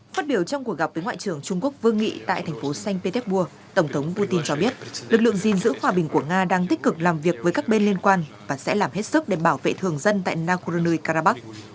phát biểu trong cuộc gặp với ngoại trưởng trung quốc vương nghị tại thành phố sanh petersburg tổng thống putin cho biết lực lượng gìn giữ hòa bình của nga đang tích cực làm việc với các bên liên quan và sẽ làm hết sức để bảo vệ thường dân tại nagorno karabakh